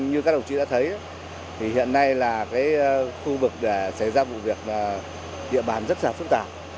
như các đồng chí đã thấy hiện nay là khu vực xảy ra vụ việc địa bàn rất là phức tạp